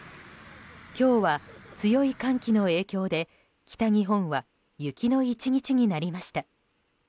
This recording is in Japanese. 今日は、強い寒気の影響で北日本は雪の１日になりました。